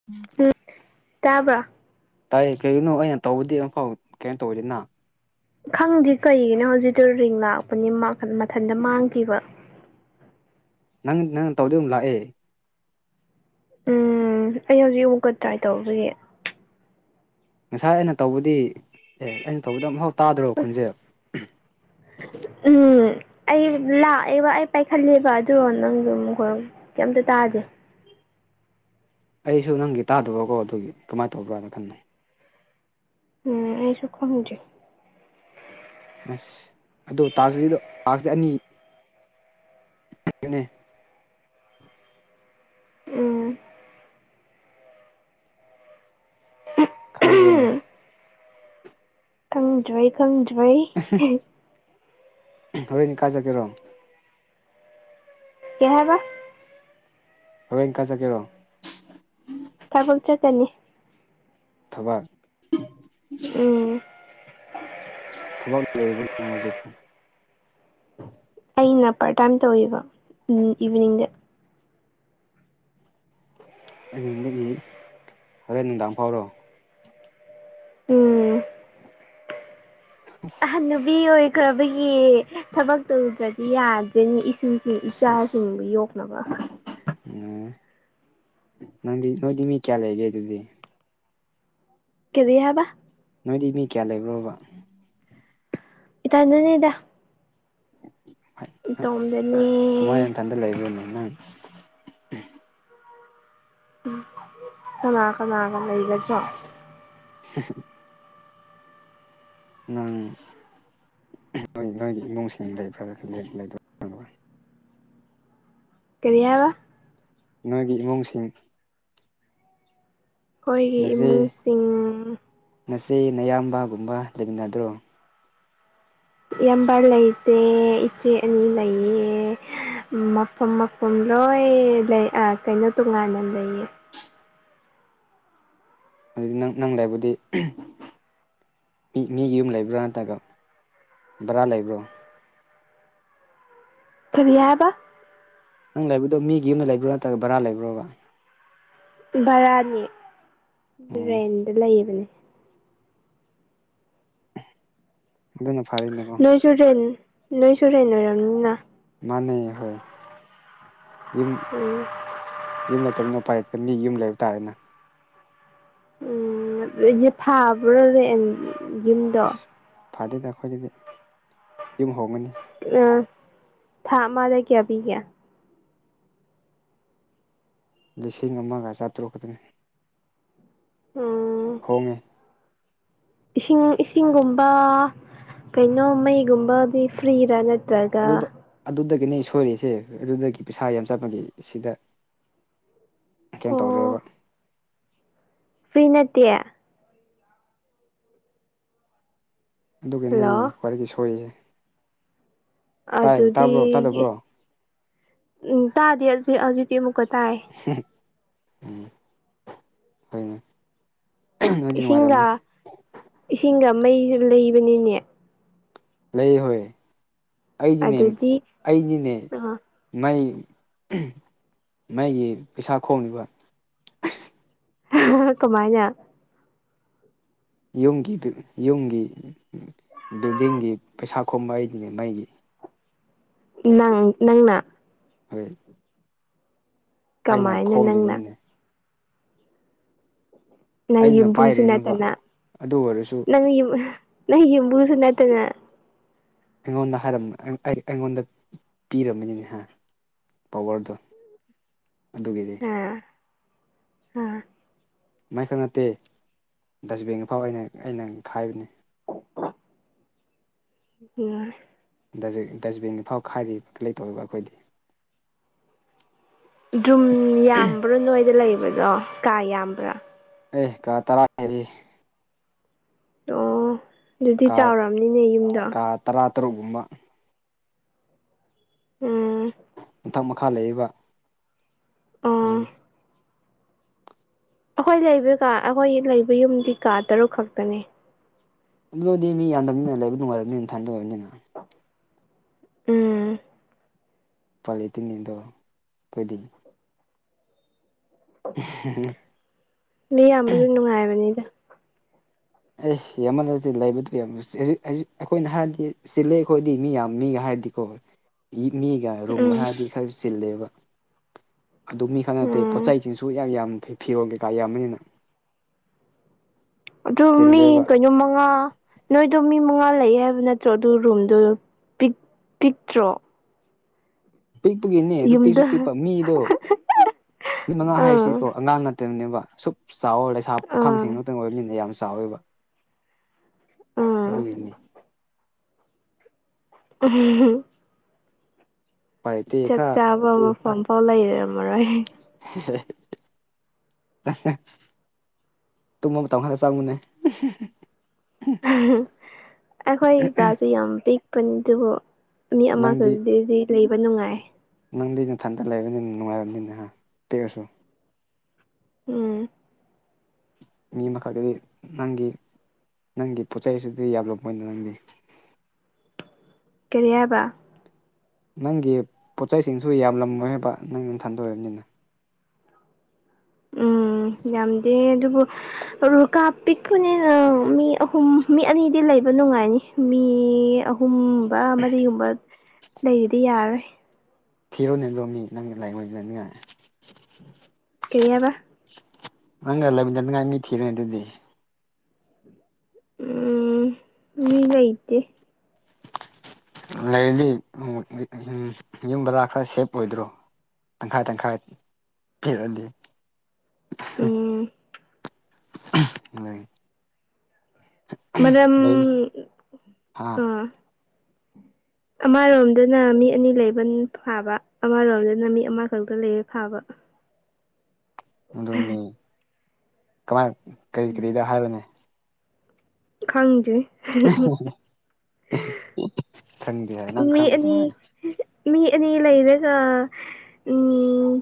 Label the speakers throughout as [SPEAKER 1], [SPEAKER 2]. [SPEAKER 1] ꯎꯝ
[SPEAKER 2] ꯎꯝ ꯇꯥꯕ꯭ꯔ
[SPEAKER 1] ꯇꯥꯏꯌꯦ ꯀꯩꯒꯤꯅꯣ ꯑꯩꯅ ꯇꯧꯕꯗꯤ ꯑꯃꯐꯥꯎ ꯀꯩꯅꯣ ꯇꯧꯔꯤꯅꯤꯅ
[SPEAKER 2] ꯈꯪꯗꯦ ꯀꯩꯒꯤꯅꯣ ꯍꯧꯖꯤꯛꯇꯣ ꯔꯤꯡ ꯂꯥꯛꯄꯅꯤ ꯃꯊꯟꯇ ꯃꯥꯡꯈꯤꯕ
[SPEAKER 1] ꯅꯪ ꯅꯪꯅ ꯇꯧꯗ ꯑꯃꯨꯛ ꯂꯥꯛꯑꯦ
[SPEAKER 2] ꯎꯝ ꯑꯩ ꯍꯧꯖꯤꯛ ꯑꯃꯨꯛꯀ ꯇ꯭ꯔꯥꯏ ꯇꯧꯕꯒꯤ
[SPEAKER 1] ꯉꯁꯥꯏ ꯑꯩꯅ ꯇꯧꯕꯗꯤ ꯑꯦ ꯑꯩꯅ ꯇꯧꯕꯗꯣ ꯑꯃꯐꯥꯎ ꯇꯥꯗ꯭ꯔꯣ ꯈꯨꯟꯖꯦꯜ
[SPEAKER 2] ꯎꯝ ꯑꯩ ꯂꯥꯛꯑꯦꯕ ꯑꯩ ꯄꯥꯏꯈꯠꯂꯦꯕ ꯑꯗꯨꯗꯣ ꯅꯪꯗꫭ ꯑꯗꯨꯝ ꯀꯩꯅꫭ ꯀꯩꯝꯇ ꯇꯥꯗꯦ
[SPEAKER 1] ꯑꯩꯁꯨ ꯅꯪꯒꯤ ꯇꯥꯗꯕꯀꯣ ꯑꯗꯨꯒꯤ ꯀꯃꯥꯏꯅ ꯇꯧꯕ꯭ꯔꯥꯅ ꯈꯟꯅ
[SPEAKER 2] ꯎꯝ ꯑꯩꯁꯨ ꯈꯣꯡꯗꯔ‌ꯦ
[SPEAKER 1] ꯑꯁ ꯑꯗꯣ ꯇꯥꯛꯁꯤꯗꯣ ꯇꯥꯛꯁ ꯑꯅꯤ ꯂꯩꯕꯅꯦ
[SPEAKER 2] ꯎꯝ
[SPEAKER 1] ꯈꯪꯗ꯭ꯔꯦꯅꯤ
[SPEAKER 2] ꯈꯪꯗ꯭ꯔꯦ ꯈꯪꯗ꯭ꯔꯦ
[SPEAKER 1] ꯍꯣꯔꯦꯟꯗꯤ ꯀꯥꯏ ꯆꯠꯀꯦꯔꯣ
[SPEAKER 2] ꯀꯩꯍꯥꯏꯕ
[SPEAKER 1] ꯍꯣꯔꯦꯟ ꯀꯥꯏ ꯆꯠꯀ‌ꯦꯔꯣ
[SPEAKER 2] ꯊꯕꯛ ꯆꯠꯀꯅꯤ
[SPEAKER 1] ꯊꯕꯛ
[SPEAKER 2] ꯎꯝ
[SPEAKER 1] ꯊꯕꯛ ꯂꯩꯕ꯭ꯔ ꯌꯦꯡꯉꫭ ꯍꯨꯖꯤꯛꯄꯨ
[SPEAKER 2] ꯑꯩꯅ ꯄꯥꯔꯠ ꯇꯥꯏꯝ ꯇꯧꯋꯤꯕ ꯏꯚꯤꯅꯤꯡꯗ
[SPEAKER 1] ꯑꯩꯅꯨꯡꯗꯒꯤ ꯍꯣꯔꯦꯟ ꯅꯨꯡꯗꯥꯡ ꯐꯥꯎꯔꯣ
[SPEAKER 2] ꯎꯝ ꯑꯍꯟ ꯅꯨꯕꯤ ꯑꯣꯏꯈ꯭ꯔꯕꯒꯤ ꯊꯕꯛ ꯇꯧꯗ꯭ꯔꯗꯤ ꯌꯥꯗ꯭ꯔꯦꯅꯤ ꯏꯁꯨ
[SPEAKER 1] ꯑꯁ
[SPEAKER 2] ꯏꯆꯥꯁꯤꯡꯕꯨ ꯌꯣꯛꯅꯕ
[SPEAKER 1] ꯎ ꯅꯪꯗꯤ ꯅꯣꯏꯗꯤ ꯃꯤ ꯀꯌꯥ ꯂꯩꯒꯦ ꯑꯗꯨꯗꯤ
[SPEAKER 2] ꯀꯔꯤ ꯍꯥꯏꯕ
[SPEAKER 1] ꯅꯣꯏꯗꯤ ꯃꯤ ꯀꯌꯥ ꯂꯩꯕ꯭ꯔꯣꯕ
[SPEAKER 2] ꯏꯇꯟꯗꯅꯦꯗ ꯏꯇꯣꯝꯗꯅꯦ
[SPEAKER 1] ꯊꯟꯗ ꯂꯩꯕ꯭ꯔꯣꯅꯦ ꯅꯪ
[SPEAKER 2] ꯎꯝ ꯀꯅꯥ ꯀꯅꯥꯒ ꯂꯩꯒꯗ꯭ꯔꯣ
[SPEAKER 1] [unintelligible] ꯅꯪ ꯅꯣꯏꯒꯤ ꯑꯉꯥꯡꯁꯤꯡ ꯏꯃꯨꯡꯁꯤꯡ ꯂꯩꯐꯔ ꯂꯩꯇꯕꯔ ꯇꯥꯕ꯭ꯔꯣ
[SPEAKER 2] ꯀꯔꯤꯌꯥꯕ
[SPEAKER 1] ꯅꯣꯏꯒꯤ ꯏꯃꯨꯡꯁꯤꯡ
[SPEAKER 2] ꯈꯣꯏꯒꯤ ꯏꯃꯨꯡꯁꯤꯡ
[SPEAKER 1] ꯉꯁꯤ ꯅꯌꯥꯝꯕꯒꯨꯝꯕ ꯂꯩꯃꯤꯟꯅꯗ꯭ꯔꯣ
[SPEAKER 2] ꯏꯌꯥꯝꯕ ꯂꯩꯇꯦ ꯏꯆꯦ ꯑꯅꯤ ꯂꯩꯌꯦ ꯃꯐꯝ ꯃꯐꯝ ꯂꯣꯏ ꯂꯩ ꯑꯥ ꯀꯩꯅꯣ ꯇꯣꯉꯥꯟꯅ ꯂꯩꯌꯦ
[SPEAKER 1] ꯑꯗꯨꯗꯤ ꯅꯪ ꯅꯪ ꯂꯩꯕꯨꯗꯤ ꯃꯤ ꯃꯤ ꯌꯨꯝ ꯂꯩꯕ꯭ꯔꯥ ꯅꯠꯇ꯭ꯔꯒ ꯕꯔꯥ ꯂꯩꯕ꯭ꯔꯣ
[SPEAKER 2] ꯀꯔꯤ ꯍꯥꯏꯕ
[SPEAKER 1] ꯅꯪ ꯂꯩꯕꯗꯣ ꯃꯤ ꯌꯨꯝꯗ ꯂꯩꯕ꯭ꯔꯣ ꯅꯠꯇ꯭ꯔꯒ ꯕꯔꯥ ꯂꯩꯕ꯭ꯔꯣꯕ
[SPEAKER 2] ꯚꯔꯥꯅꯤ
[SPEAKER 1] ꯑꯣ
[SPEAKER 2] ꯔꯦꯟꯗ ꯂꯩꯕꯅꯦ
[SPEAKER 1] ꯑꯗꯨꯅ ꯐꯔꯦꯅꯦꯀꯣ
[SPEAKER 2] ꯅꯣꯏꯁꯨ ꯔꯦꯟ ꯅꯣꯏꯁꯨ ꯔꯦꯟ ꯑꯣꯏꯔꯝꯅꯤꯅ
[SPEAKER 1] ꯃꯥꯅꯦ ꯍꯣꯏ ꯌꯨꯝ
[SPEAKER 2] ꯎꯝ
[SPEAKER 1] ꯌꯨꯝ ꯂꯩꯇꯝꯅꯤꯅ ꯎꯄꯥꯏꯂꯩꯇꯝ ꯃꯤꯅ ꯌꯨꯝ ꯂꯩꯕ ꯇꯥꯔꯦꯅ
[SPEAKER 2] ꯎꯝ ꯐꯥꯕ꯭ꯔꫭ ꯔꯦꯟ ꯌꯨꯝꯗꯣ
[SPEAKER 1] ꯐꯗ‌ꯦꯗ ꯑꯈꯣꯏꯗꯗꯤ ꯌꯨꯝ ꯍꯣꯡꯉꯅꯤ
[SPEAKER 2] ꯑꯥ ꯊꯥ ꯑꯃꯗ ꯀꯌꯥ ꯄꯤꯒꯦ
[SPEAKER 1] ꯂꯤꯁꯤꯡ ꯑꯃꯒ ꯆꯥꯇ꯭ꯔꯨꯛꯈꯛꯇꯅꯤ
[SPEAKER 2] ꯎꯝ
[SPEAKER 1] ꯈꯣꯝꯃꯦ
[SPEAKER 2] ꯏꯁꯤꯡ ꯏꯁꯤꯡꯒꯨꯝꯕ ꯀꯩꯅꯣ ꯃꯩꯒꯨꯝꯕꯗꯤ ꯐ꯭ꯔꯤꯔꯥ ꯅꯠ
[SPEAKER 1] ꯑꯗꯨꯗ ꯑꯗꯨꯗꯒꯤꯅꯦ ꯁꯣꯏꯔꯤꯁꯦ ꯑꯗꯨꯗꯒꯤ ꯄꯩꯁꯥ ꯌꯥꯝ ꯆꯠꯄꯒꯤ ꯁꯤꯗ ꯀꯩꯅꯣ
[SPEAKER 2] ꯑꯣ
[SPEAKER 1] ꯇꯧꯔꯦꯕ
[SPEAKER 2] ꯐ꯭ꯔꯤ ꯅꯠꯇꯦ
[SPEAKER 1] ꯑꯗꯨꯒꯤꯅꯦ
[SPEAKER 2] ꯍꯜꯂꯣ
[SPEAKER 1] ꯈ꯭ꯋꯥꯏꯗꯩ ꯁꯣꯏꯁ‌ꯦ
[SPEAKER 2] ꯑꯗꯨꯗꯤ
[SPEAKER 1] ꯇꯥꯗꯕ꯭ꯔꯣ
[SPEAKER 2] ꯎꯝ ꯇꯥꯗꯦ ꯍꯧꯖꯤ ꯍꯧꯖꯤꯛꯇꯤ ꯑꯃꯨꯛꯀ ꯇꯥꯏ
[SPEAKER 1] ꯎꯝ ꯍꯣꯏꯅꯦ ꯅꯣꯏꯗꯤ
[SPEAKER 2] ꯏꯁꯤꯡꯒ
[SPEAKER 1] ꯅꯨꯡꯉꯥꯏꯔꯝꯅꯤ
[SPEAKER 2] ꯏꯁꯤꯡꯒ ꯃꯩꯁꯨ ꯂꯩꯕꯅꯤꯅꯦ
[SPEAKER 1] ꯂꯩꯍꯣꯏ ꯑꯩꯗꯤꯅꯦ
[SPEAKER 2] ꯑꯗꯨꯗꯤ
[SPEAKER 1] ꯑꯩꯗꯤꯅꯦ
[SPEAKER 2] ꯑ
[SPEAKER 1] ꯃꯩ ꯃꯩꯒꯤ ꯄꯩꯁꯥ ꯈꯣꯝꯅꯤꯕ
[SPEAKER 2] ꯀꯃꯥꯏꯅ
[SPEAKER 1] ꯌꯨꯝꯒꯤꯗꯨ ꯌꯨꯝꯒꯤ ꯕꯤꯜꯗꯤꯡꯒꯤ ꯄꯩꯁꯥ ꯈꯣꯝꯕ ꯑꯩꯗꯤꯅꯦ ꯃꯩꯒꯤ
[SPEAKER 2] ꯅꯪ ꯅꯪꯅ
[SPEAKER 1] ꯍꯣꯏ ꯑꯩꯅ
[SPEAKER 2] ꯀꯃꯥꯏꯅ ꯅꯪꯅ
[SPEAKER 1] ꯈꯣꯝꯂꯤꯅꯤꯅꯦ
[SPEAKER 2] ꯅꯩ
[SPEAKER 1] ꯑꯩꯅ
[SPEAKER 2] ꯌꯨꯝꯕꯨꯁꯨ
[SPEAKER 1] ꯄꯥꯏꯔꯤꯅꯦꯕ
[SPEAKER 2] ꯅꯠꯇꯅ
[SPEAKER 1] ꯑꯗꯨ ꯑꯣꯏꯔꯁꯨ
[SPEAKER 2] ꯅꯪ ꯌꯨꯝ ꯅꯩ ꯌꯨꯝꯕꯨꯁꯨ ꯅꯠꯇꯅ
[SPEAKER 1] ꯑꯩꯉꯣꯟꯗ ꯍꯥꯏꯔ ꯑꯩ ꯑꯩꯉꯣꯟꯗ ꯄꯤꯔꯝꯕꯅꯤꯅꯦ ꯍ ꯄꯋꯥꯔꯗꯣ ꯑꯗꯨꯒꯤꯅ‌ꯦ
[SPEAKER 2] ꯑꯥ ꯑꯥ
[SPEAKER 1] ꯃꯩꯈꯛ ꯅꯠꯇꯦ ꯗꯁꯕꯤꯟꯒꯤꯐꯥꯎ ꯑꯩꯅ ꯑꯩꯅ ꯈꯥꯏꯕꯅꯤ
[SPEAKER 2] ꯌꯥꯏ
[SPEAKER 1] ꯗꯁꯕꯤꯟꯒꯤ ꯐꯥꯎ ꯈꯥꯏꯔꯤꯕ ꯂꯩꯇꯧꯔꯤꯕ ꯑꯈꯣꯏꯗꯤ꯫
[SPEAKER 2] ꯗꯨꯝ ꯌꯥꯝꯕ꯭ꯔꯥ ꯅꯣꯏꯗ ꯂꯩꯕꯗꯣ ꯀꯥ ꯌꯥꯝꯕ꯭ꯔꯥ
[SPEAKER 1] ꯑꯦ ꯀꯥ ꯇꯔꯥ ꯍ‌ꯦꯜꯂꯤ꯫
[SPEAKER 2] ꯑꯣ ꯑꯗꯨꯗꯤ ꯆꯥꯎꯔꯝꯅꯤꯅꯦ ꯌꯨꯝꯗꫭ꯫
[SPEAKER 1] ꯇꯂꯥ ꯇꯔꯨꯛꯀꯨꯝꯕ
[SPEAKER 2] ꯎꯝ
[SPEAKER 1] ꯃꯪꯊꯛ ꯃꯈꯥ ꯂꯩꯌ‌ꯦꯕ꯫
[SPEAKER 2] ꯑꯣ
[SPEAKER 1] ꯎꯝ꯫
[SPEAKER 2] ꯑꯩꯈꯣꯏ ꯂꯩꯕ ꯀꯥ ꯑꯩꯈꯣꯏ ꯂꯩꯕ ꯌꯨꯝꯗꯤ ꯀꯥ ꯇꯔꯨꯛ ꯈꯛꯇꯅꯦ
[SPEAKER 1] ꯑꯗꯨꯗꯤ ꯃꯤ ꯌꯥꯝꯗꯝꯅꯤꯅ ꯂꯩꯕ ꯅꯨꯡꯥꯏꯔꯝꯅꯤꯅ ꯊꯟꯗ ꯑꫭꯏꯕꯅꯤꯅ꯫
[SPEAKER 2] ꯎꯝ꯫
[SPEAKER 1] ꯄꯂꯤꯇꯤꯟꯅꯤꯗꫭ ꯈꫭꯏꯗꯤ꯫ ꯎꯝ ꯍꯝ ꯍꯝ
[SPEAKER 2] ꯃꯤ ꯌꯥꯝꯕꯁꯨ ꯅꯨꯡꯉꯥꯏꯕꯅꯤꯗ
[SPEAKER 1] ꯑꯩꯁ ꯌꯥꯝꯃꯜꯂꯗꯤ ꯂꯩꯕꯗꯨ ꯌꯥꯝ ꯑꯩꯈꯣꯏꯅ ꯍꯥꯏꯔꯗꯤ ꯆꯤꯂꯦ ꯑꯩꯈꯣꯏꯗꯤ ꯃꯤ ꯌꯥꯝ ꯃꯤꯒ ꯍꯥꯏꯔꯗꯤ ꯍꫭꯏ ꯒꯤ ꯃꯤꯒ꯫ ꯔꯨꯝꯒ
[SPEAKER 2] ꯎꯝ
[SPEAKER 1] ꯍꯥꯏꯔꯗꯤ ꯈꯔ ꯆꯤꯜꯂꯦꯕ ꯑꯗꯨ ꯃꯤ ꯈꯛ ꯅꯠꯇꯦ
[SPEAKER 2] ꯎꯝ
[SPEAKER 1] ꯄꯣꯠꯆꯩꯁꯤꯡꯁꯨ ꯌꯥꯝ ꯌꯥꯝ ꯐꯤ ꯐꯤꯔꯣꯜ ꯀꯩꯀꯥ ꯌꯥꯝ ꯕꯅꯤꯅ꯫
[SPEAKER 2] ꯑꯗꯨ ꯃꯤ
[SPEAKER 1] ꯆꯤꯜꯂꯦꯕ
[SPEAKER 2] ꯀꯩꯅꯣ ꯃꯉꯥ ꯅꯣꯏꯗꯣ ꯃꯤ ꯃꯉꯥ ꯂꯩꯌ‌ꯦ ꯍꯥꯏꯕ ꯅꯠꯇ꯭ꯔꯣ ꯑꯗꯨ ꯔꯨꯝꯗꯣ ꯄꯤꯛꯇ꯭ꯔꯣ꯫
[SPEAKER 1] ꯄꯤꯛꯄꯒꯤꯅꯦ ꯑꯗꯨꯄꯤꯛꯁꯨ
[SPEAKER 2] ꯌꯨꯝꯗ
[SPEAKER 1] ꯄꯤꯛꯄ ꯃꯤꯗꯣ ꯃꯤꯠ ꯃꯉꯥ
[SPEAKER 2] ꯑꯥ
[SPEAKER 1] ꯍꯥꯏꯁꯤꯀꯣ ꯑꯉꯥꯡ ꯅꯠꯇꯕꯅꯦꯕ ꯁꯨꯞ꯫ ꯆꯥꯎꯋ ꯂꯩꯁꯥ
[SPEAKER 2] ꯑꯥ
[SPEAKER 1] ꯄꯥꯈꯥꯡꯁꯤꯡ ꯉꯥꯛꯇꯪ ꯑꯣꯏꯕꯅꯤꯅ ꯌꯥꯝ ꯆꯥꯎꯋꯦꯕ
[SPEAKER 2] ꯑꯥ
[SPEAKER 1] ꯑꯗꯨꯒꯤꯅꯤ
[SPEAKER 2] ꯎꯝ ꯍꯝ
[SPEAKER 1] ꯎꯄꯥꯏ ꯂꯩꯇꯦ
[SPEAKER 2] ꯆꯥꯞ
[SPEAKER 1] ꯈꯔ
[SPEAKER 2] ꯆꯥꯕ ꯃꯐꯝꯐꯥꯎ ꯂꯩꯔꯝꯃꯔꯣꯏ
[SPEAKER 1] [unintelligible] ꯇꯨꯝꯕ ꯃꯇꯝ ꯇꯈꯥꯟꯗ ꯆꯪꯃꯤꯟꯅꯩ
[SPEAKER 2] ꯑꯩꯈꯣꯏ ꯀꯥꯁꯨ ꯌꯥꯝ ꯄꯤꯛꯄꯅꯤ ꯑꯗꯨꯕꯨ ꯃꯤ
[SPEAKER 1] ꯅꯪꯗꯤ
[SPEAKER 2] ꯑꯃꯈꯛꯗꯗꯤ ꯂꯩꯕ ꯅꯨꯡꯉꯥꯏ꯫
[SPEAKER 1] ꯅꯪꯗꯤ ꯅꯊꯟꯗ ꯂꯩꯕꯅꯤꯅ ꯅꯨꯡꯉꯥꯏꯔꯕꯅꯤꯅꯦ ꯍꯥ ꯄꯤꯛꯑꯁꯨ꯫
[SPEAKER 2] ꯎꯝ꯫
[SPEAKER 1] ꯃꯤ ꯑꯃꯈꯛꯇꯗꯤ ꯅꯪꯒꯤ ꯅꯪꯒꯤ ꯄꯣꯠꯆꯩꯁꯤꯗꯤ ꯌꯥꯝꯂꯝꯃꫭꯏꯅ ꯅꯪꯗꯤ
[SPEAKER 2] ꯀꯔꯤ ꯍꯥꯏꯕ
[SPEAKER 1] ꯅꯪꯒꯤ ꯄꯣꯠꯆꯩꯁꯤꯡꯁꯨ ꯌꯥꯝꯂꯝꯃꯣꯏ ꯍꯥꯏꯕ ꯅꯪꯅ ꯊꯟꯗ ꯑꫭꯏꯕꯅꯤꯅ꯫
[SPEAKER 2] ꯎꯝ ꯌꯥꯝꯗꯦ ꯑꯗꯨꯕꯨ꯫ ꯀꯥ ꯄꯤꯛꯄꯅꯤꯅ ꯃꯤ ꯑꯍꯨꯝ ꯃꯤ ꯑꯅꯤꯗꯤ ꯂꯩꯕ ꯅꯨꯡꯉꯥꯏꯅꯤ ꯃꯤ ꯑꯍꯨꯝ꯫ ꯑꯃꯗꯤꯒꯨꯝꯕ ꯂꯩꯕꯗꯤ ꯌꯥꯔꯣꯏ
[SPEAKER 1] ꯊꯤꯔꯣꯅꯦ ꯔꯣꯃꯤ ꯅꯪꯒꯤ ꯂꯥꯏꯑꯣ ꯈꯔꯥꯅꯤꯉꯥꯏ
[SPEAKER 2] ꯀꯔꯤ ꯍꯥꯏꯕ꯫
[SPEAKER 1] ꯅꯪꯅ ꯂꯩꯃꯤꯅ ꯅꯤꯡꯉꯥꯏ ꯃꯤ ꯊꯤꯔꯦ ꯑꯗꯨꯗꯤ꯫
[SPEAKER 2] ꯎꯝ ꯃꯤ ꯂꯩꯇꯦ꯫
[SPEAKER 1] ꯂꯩꯔꯗꯤ ꯎꯝ ꯌꯨꯝ ꯕꯂꯥ ꯈꯔ ꯁꯦꯞ ꯑꯣꯏꯗ꯭ꯔꯣ꯫ ꯇꯪꯈꯥꯏ ꯇꯪꯈꯥꯏ ꯄꯤꯔꯗꯤ
[SPEAKER 2] ꯎꯝ
[SPEAKER 1] ꯑꯩ ꯍꫭꯏ
[SPEAKER 2] ꯃꯔꯝ
[SPEAKER 1] ꯍꯥ
[SPEAKER 2] ꯑꯥ꯫ ꯑꯃꯔꯣꯝꯗꯅ ꯃꯤ ꯑꯅꯤ ꯂꯩꯕ ꯐꯥꯕ ꯑꯃꯔꯣꯝꯗꯅ ꯃꯤ ꯑꯃ ꯈꯛꯇ ꯂꯩꯕ ꯐꯥꯕ
[SPEAKER 1] ꯃꯗꯨꯅꯤ ꯀꯃꯥꯏ ꯀꯔꯤ ꯀꯔꯤꯗ ꯍꯥꯏꯕꯅꯦ꯫
[SPEAKER 2] ꯈꯪꯗ‌ꯦ꯫
[SPEAKER 1] [unintelligible] ꯈꯪꯗꯦ ꯍꯥꯏ ꯅꯪ
[SPEAKER 2] ꯃꯤ
[SPEAKER 1] ꯈꯪꯕ
[SPEAKER 2] ꯑꯅꯤ
[SPEAKER 1] ꯑꯗꯨꯃꯥꯏꯅ
[SPEAKER 2] ꯃꯤ ꯑꯅꯤ ꯂꯩꯔꯒ ꯎꯝ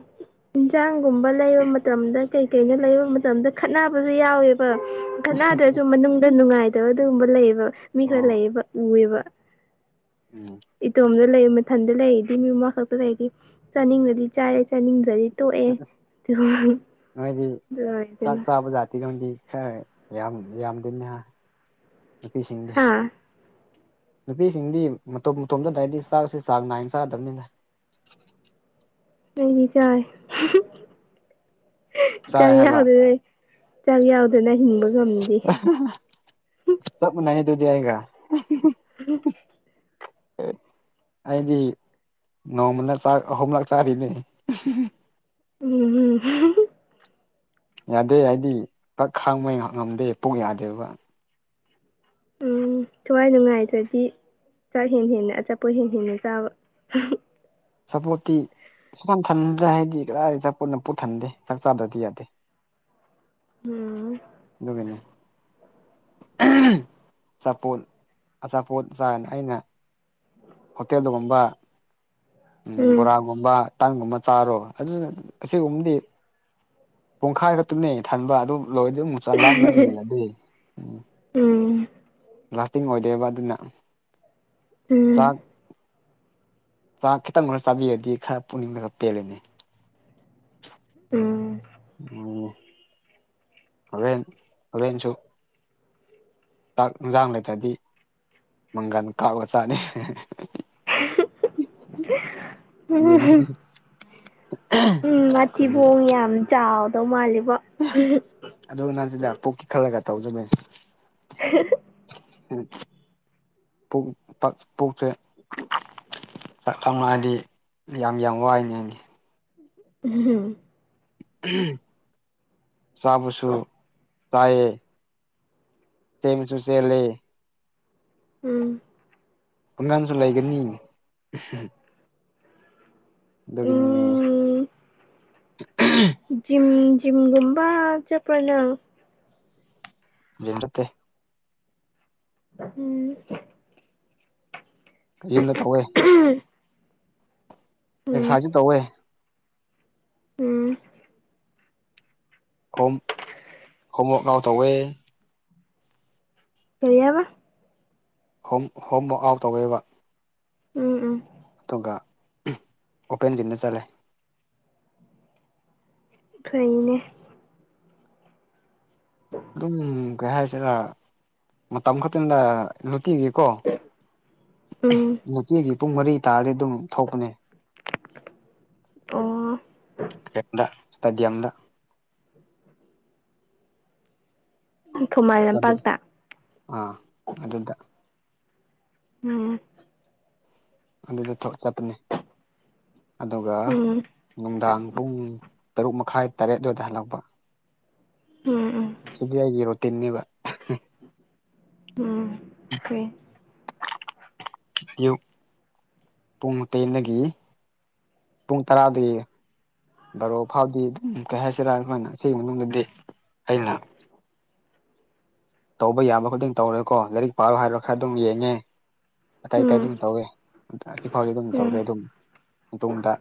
[SPEAKER 2] ꯌꯦꯟꯁꯥꯡꯒꯨꯝꯕ ꯂꯩꯕ ꯃꯇꯝꯗ ꯀꯩ ꯀꯩꯅ ꯂꯩꯕ ꯃꯇꯝꯗ ꯈꯠꯅꯕꯁꯨ ꯌꯥꯎꯋꯦꯕ ꯀꯅꯥꯗ꯭ꯔꯁꯨ ꯃꯅꯨꯡꯗ ꯅꯨꯡꯉꯥꯏꯗꯕ ꯑꯗꯨꯒꯨꯝꯕ ꯂꯩꯌꯦꯕ ꯃꯤ ꯈꯔ
[SPEAKER 1] ꯑꯣ
[SPEAKER 2] ꯂꯩꯌꯦꯕ ꯎꯑꯕ
[SPEAKER 1] ꯎꯝ
[SPEAKER 2] ꯏꯇꯣꯝꯗ ꯂꯩ ꯃꯊꯟꯗ ꯂꯩꯔꯗꯤ ꯃꯤ ꯃꯃꯥ ꯈꯛꯇ ꯂꯩꯔꯗꯤ ꯆꯥꯅꯤꯡꯗꯗꯤ ꯆꯥꯏꯔꯦ ꯆꯥꯅꯤꯡꯗ꯭ꯔꯗꯤ ꯇꯣꯛꯑ ꯗꯨꯝ ꯂꯗꯇꯅ
[SPEAKER 1] ꯕꯖꯥꯤ ꯀꯗꯤ ꯈꯔ ꯌꯥꯝ ꯌꯥꯝꯗꯣꯏꯅꯤꯍ ꯅꯨꯄꯤꯁꯤꯡꯗꯤ
[SPEAKER 2] ꯎ
[SPEAKER 1] ꯅꯨꯄꯤꯁꯤꯡꯗꯤ ꯃꯇꯣꯝ ꯃꯇꯣꯝꯗ ꯂꯩꯔꯗꯤ ꯆꯥꯛꯁꯦ ꯆꯥꯡ ꯅꯥꯏꯅ ꯆꯥꯗꯕꯅꯤꯅ
[SPEAKER 2] ꯅꯪꯗꯤ ꯆꯥꯏ
[SPEAKER 1] ꯆꯥꯏ
[SPEAKER 2] ꯀꯔꯤ
[SPEAKER 1] ꯍꯥꯏꯕ
[SPEAKER 2] ꯌꯥꯑꯣꯗꯣꯏꯅꯣꯍꯦ ꯆꯥꯛ ꯌꯥꯎꯗꯅ ꯍꯤꯡꯕ ꯉꯝꯃꯤ
[SPEAKER 1] ꯁ ꯃ ꯅꯩꯅꯅꯦꯗꯨ ꯌꯥꯏꯒ
[SPEAKER 2] ꯎꯝ
[SPEAKER 1] ꯑꯩꯗꯤ ꯅꯣꯡꯃꯅꯥꯛ ꯑꯍꯨꯝꯂꯛ ꯆꯥꯔꯤꯅꯤ
[SPEAKER 2] ꯎꯝ ꯎꯝ
[SPEAKER 1] ꯌꯥꯗꯦ ꯍꯥꯏꯗꯤ ꯀꯛ ꯈꯥꯡꯕꯩ ꯉꯝꯗꯦ ꯄꯨꯛ ꯌꯥꯗꯦꯕ
[SPEAKER 2] ꯎꯝ ꯊꯋꯥꯏ ꯅꯨꯡꯉꯥꯏꯇ꯭ꯔꯗꯤ ꯆꯥꯛ ꯍꯦꯟ ꯍꯦꯟꯅ ꯑꯆꯥꯄꯣ ꯍꯦ ꯍꯦꯟꯅ ꯆꯥꯕ
[SPEAKER 1] ꯆꯆꯥꯄꯣꯠꯇꯤ ꯁꯨꯊꯝ ꯊꯟꯗ ꯍꯥꯏꯗꯤ ꯀꯗꯥꯏ ꯆꯆꯥꯄꯣꯠꯅ ꯄꯣꯠꯊꯟꯗꯦ ꯆꯥꯛ ꯆꯥꯗ꯭ꯔꯗꯤ ꯌꯥꯗꯦ
[SPEAKER 2] ꯎꯝ
[SPEAKER 1] ꯗꯒꯅꯦ ꯆꯥꯄꯣꯠ ꯑꯆꯥꯄꯣꯠ ꯆꯥꯏꯅ ꯑꯩꯅ ꯍꯣꯇꯦꯜꯗꯒꯨꯝꯕ ꯎ
[SPEAKER 2] ꯎꯝ
[SPEAKER 1] ꯕꯣꯔꯥ ꯨꯝꫭꯕ ꯇꯥꯡꯒꯨꯝꯕ ꯆꯥꯔꯣ ꯑꯗꯨꯅ ꯑꯁꯤꯒꯨꯝꯕꯗꯤ ꯄꯨꯡꯈꯥꯏ ꯈꯛꯇꯅꯦ ꯊꯟꯕ ꯑꯗꯨ ꯂꯣꯏꯔꯗꯤ ꯆꯟ ꯂꯥꯝ ꯂꯏ ꯑꯗꯨꯏ ꯎꯝ
[SPEAKER 2] ꯎꯝ
[SPEAKER 1] ꯂꯥꯁꯇꯤꯡ ꯑꯣꯏꯗꯣꯏꯕ ꯑꯗꯨꯅ
[SPEAKER 2] ꯎꯝ
[SPEAKER 1] ꯆꯥꯛ ꯍ ꯈꯤꯇꯪ ꯑꫭꯏ ꯆꯥꯕꯤꯔꯗꯤ ꯈꯔ ꯄꯨꯛꯅꯤꯡꯗꯒ ꯄꯦꯜꯂꯦꯅꯦ
[SPEAKER 2] ꯎꯝ
[SPEAKER 1] ꯎ ꯐꯦꯟ ꯐꯂꯦꯟꯦꯟꯁꯨ ꯆꯥꯛ ꯏꯟꯁꯥꯡ ꯂꯩꯇꯗꯤ ꯃꯪꯒꯜ ꯀꯥꯞꯂꯒ ꯆꯥꯅꯤ ꯑꯗꯨ
[SPEAKER 2] ꯎꯝ ꯎꯝ ꯃꯊꯤꯕꯣꯡ ꯌꯥꯝ ꯆꯥꯎꯗꯧ ꯃꯥꯜꯂꯤꯕꫭ
[SPEAKER 1] ꯑꯗꯨ ꯅꯪꯁꯤꯗ ꯄꯨꯛꯀꯤ ꯈꯜꯂꯒ ꯇꯧꯗꯨꯃꯦ
[SPEAKER 2] ꯎ
[SPEAKER 1] ꯎꯝ ꯄꯪ ꯇꯛ ꯄꯣꯛꯁꯦ ꯆꯥꯛ ꯊꯅꯗꯤ ꯌꯥꯝ ꯌꯥꯝ ꯋꯥꯏꯅꯦꯅꯤ
[SPEAKER 2] ꯎꯝ
[SPEAKER 1] ꯆꯥꯕꯨꯁꯨ ꯆꯑꯦ ꯇꯦꯃꯤ ꯆꯨꯁꯤ ꯂꯩꯦ
[SPEAKER 2] ꯎꯝ
[SPEAKER 1] ꯄꯨꯡ ꯉꯝꯁꯨꯣ ꯂꯩꯒꯔꯅꯤ ꯗꯒꯤ
[SPEAKER 2] ꯎꯝ ꯖꯤꯝ ꯖꯤꯝꯒꯨꯝꯕ ꯆꯄꯅ
[SPEAKER 1] ꯖꯟꯠꯇꯦ
[SPEAKER 2] ꯎꯝ
[SPEAKER 1] ꯀꯔꯤꯝꯅ ꯇꯧꯋꯦ
[SPEAKER 2] ꯎꯝ
[SPEAKER 1] ꯑꯦꯛꯁꯔꯁꯥꯏꯁꯨ ꯇꯧꯋꯦ
[SPEAKER 2] ꯎꯝ
[SPEAKER 1] ꯍꯣꯝ ꯍꯣꯝꯃꫭꯛ ꯂꯥꯑ ꯇꯧꯋꯦ
[SPEAKER 2] ꯀꯔꯤꯕ
[SPEAKER 1] ꯍꯣꯝ ꯍꯣꯝ ꯋꯔꯥꯛ ꯑꯥꯎꯠ ꯇꯧꯋꯦꯕ
[SPEAKER 2] ꯎꯝ ꯎꯝ
[SPEAKER 1] ꯗꯨꯒ ꯑꯣꯄꯦꯟꯖꯤꯝꯗ ꯆꯠꯂꯦ
[SPEAKER 2] ꯐꯩꯅꯦ
[SPEAKER 1] ꯑꯗꯨꯝ ꯀꯩ ꯍꯥꯏꯁꯤꯔ ꯃꯇꯝ ꯈꯛꯇꯪꯂ ꯇꯤꯒꯤꯀꯣ
[SPEAKER 2] ꯎꯝ
[SPEAKER 1] ꯅꯨꯡꯇꯤꯒꯤ ꯄꯨꯡ ꯃꯔꯤ ꯇꯥꯔꯗꯤ ꯑꯗꯨꯝ ꯊꯣꯛꯄꯅꯦ
[SPEAKER 2] ꯑꯣ
[SPEAKER 1] ꯀ ꯁꯗꯤꯝꯗ
[SPEAKER 2] ꯈꯨꯃꯥꯏ
[SPEAKER 1] ꯏꯁꯇꯦꯗꯤꯌꯝ
[SPEAKER 2] ꯂꯝꯄꯥꯛꯇ
[SPEAKER 1] ꯑꯥ ꯑꯗꯨꯗ
[SPEAKER 2] ꯎꯝ
[SPEAKER 1] ꯑꯗꯨꯗ ꯆꯠꯄꯅꯤ ꯑꯗꯨꯒ
[SPEAKER 2] ꯎꯝ
[SPEAKER 1] ꯅꯨꯡꯗꯥꯡ ꯄꯨꯡ ꯇꯔꯨꯛ ꯃꯈꯥꯏ ꯇꯔꯦꯠꯂꯣꯏꯗ ꯍꯜꯂꯛꯄ
[SPEAKER 2] ꯎꯝ ꯎꯝ
[SPEAKER 1] ꯁꯤꯗꯤ ꯑꯩꯒꯤ ꯔꯨꯇꯤꯟꯅꯦꯕ
[SPEAKER 2] ꯎꯝ ꯎ
[SPEAKER 1] ꯑꯌꯨꯛ ꯄꯨꯡ ꯃꯄꯦꯟꯗꯒꯤ ꯄꯨꯡ ꯇꯔꯥꯗꯒꯤ ꯕꯥꯔꯣ ꯐꯥꯎꯗꯤ ꯑꯗꯨꯝ ꯀꯩ ꯍꯥꯏꯁꯤꯔꯥ ꯁꯃꯥꯏꯅ ꯁꯤ ꯃꯅꯨꯡꯗꯗꯤ ꯑꯩꯅ꯫ ꯇꯧꯕ ꯌꯥꯕ ꯈꯨꯗꯤꯡ ꯇꯧꯔꯦꯀꯣ ꯂꯥꯏꯔꯤꯛ ꯄꯥꯔꯣ ꯍꯥꯏꯔꯣ ꯈꯔ ꯑꯗꯨꯝ ꯌꯦꯡꯉꯦ ꯑ ꯑꯇꯥꯏ
[SPEAKER 2] ꯎꯝ
[SPEAKER 1] ꯑꯗꯨꯝ ꯇꯧꯋꯦ ꯑꯁꯤꯐꯥꯎꯗꯤ ꯑꯗꯨꯝ ꯇꯧꯔꯦ
[SPEAKER 2] ꯎꯝ
[SPEAKER 1] ꯑꯗꯨꯝ ꯇꯨꯡꯗ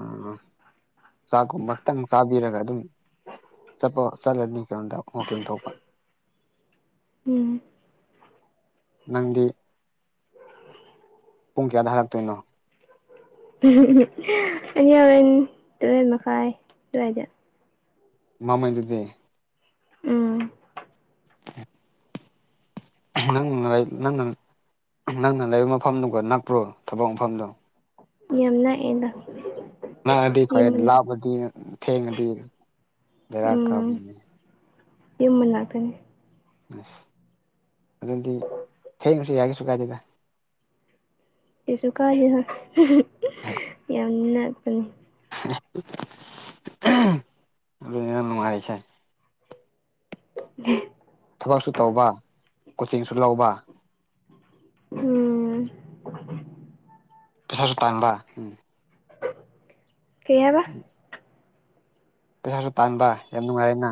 [SPEAKER 1] ꯎꯝ ꯆꯥꯛꯀꯨꯝꯕꯛꯇꯪ ꯆꯥꯕꯤꯔꯒ ꯑꯗꯨꯝ ꯆꯠꯄꫭ ꯆꯠꯂꯅꯤ ꯀꯅꫭꯗ ꯋꯥꯀꯤꯡ ꯊꫭꯛꯄ
[SPEAKER 2] ꯎꯝ
[SPEAKER 1] ꯅꯪꯗꯦ ꯄꯨꯡ ꯀꯌꯥꯗ ꯍꯔꯛꯇꯣꯏꯅꯣ
[SPEAKER 2] ꯑꯅꯤ ꯌꯥꯔꯦꯟ ꯇꯔꯦꯟ ꯃꯈꯥꯏ ꯑꯗꯨꯋꯥꯏꯗ
[SPEAKER 1] ꯃꯃꯩꯗꯨꯗꯤ
[SPEAKER 2] ꯎꯝ
[SPEAKER 1] ꯍ ꯅꯪ ꯅꯪꯅ ꯅꯪꯅ ꯂꯩꯕ ꯃꯐꯝꯗꯨꯒ ꯅꯛꯄ꯭ꯔꯣ ꯊꯕꯛ ꯃꯐꯝꯗꯣ
[SPEAKER 2] ꯌꯥꯝ ꯂꯥꯛꯑꯦꯗ
[SPEAKER 1] ꯅꯪꯑꯗꯤ ꯐꯔꯦ ꯂꯥꯞꯑꯗꯤ ꯊꯦꯡꯉꯗꯤ ꯔꯥꯛ ꯀꯥꯅꯤ
[SPEAKER 2] ꯎꯝ ꯌꯨꯝ ꯃꯅꯥꯥꯛꯇꯅꯤ
[SPEAKER 1] ꯑꯁ ꯑꯗꯨꯗꯤ ꯊꯦꯡꯅꯁꯨ ꯌꯥꯒꯁꯨ ꯀꯥꯏꯗꯦꯗ
[SPEAKER 2] ꯀꯩꯁꯨ ꯀꯥꯏꯗꯦꯍ [inaudible]
[SPEAKER 1] ꯑꯗꯨꯅꯦ ꯅꯪ ꯅꯨꯡꯉꯥꯏꯔꯤꯁꯦ
[SPEAKER 2] ꯒꯤ
[SPEAKER 1] ꯊꯕꯛꯁꯨ ꯇꯧꯕ ꯀꯣꯆꯤꯡꯁꯨ ꯂꯧꯕ
[SPEAKER 2] ꯎꯝ
[SPEAKER 1] ꯄꯩꯁꯥꯁꯨ ꯇꯥꯡꯕ ꯎꯝ
[SPEAKER 2] ꯀꯩ ꯍꯥꯏꯕ
[SPEAKER 1] ꯄꯩꯁꯥꯁꯨ ꯇꯥꯟꯕ ꯌꯥꯝ ꯅꯨꯡꯉꯥꯏꯔꯦ ꯅꯥ